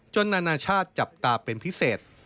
นานาชาติจับตาเป็นพิเศษ